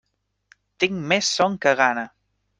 Tinc més son que gana.